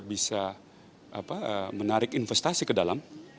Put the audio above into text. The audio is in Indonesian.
bisa menarik investasi ke dalam